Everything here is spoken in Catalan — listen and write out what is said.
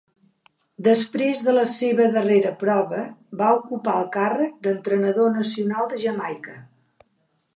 Després de la seva darrera prova, va ocupar el càrrec d'entrenador nacional de Jamaica.